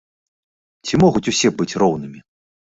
Ці могуць усе быць роўнымі?